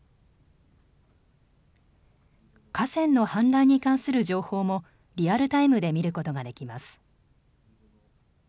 河川の氾濫に関する情報もリアルタイムで見ることができます。